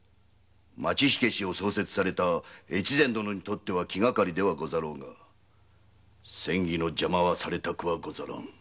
町火消を創設された大岡殿にとっては気がかりでござろうが詮議の邪魔はされたくはござらぬ。